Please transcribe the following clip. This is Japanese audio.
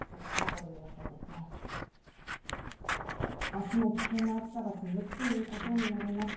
明日も危険な暑さが続くということになります